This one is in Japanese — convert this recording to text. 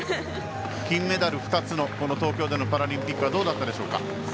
金メダル２つの東京でのパラリンピックはどうだったでしょうか？